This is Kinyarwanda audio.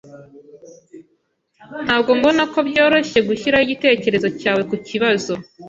Ntabwo mbona ko byoroshye gushyiraho igitekerezo cyawe kukibazo.